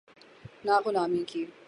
نہ غلامی کی۔